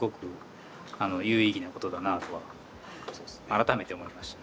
改めて思いました。